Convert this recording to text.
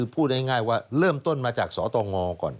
พูดง่ายว่าเริ่มต้นมาจากสตงก่อน